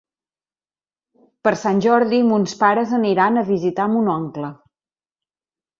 Per Sant Jordi mons pares aniran a visitar mon oncle.